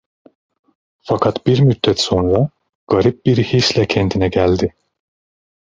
Fakat bir müddet sonra garip bir hisle kendine geldi.